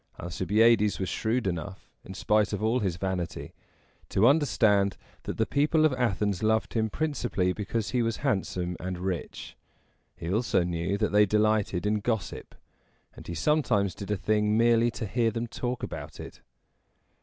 Alcibiades was shrewd enough, in spite of all his vanity, to understand that the people of Athens loved him principally because he was handsome and rich. He also knew that they delighted in gossip, and he sometimes did a thing merely to hear them talk about it.